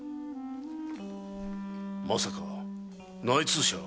まさか内通者が？